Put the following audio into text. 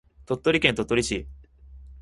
鳥取県鳥取市